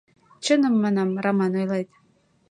Чыным, манам, Раман ойлет.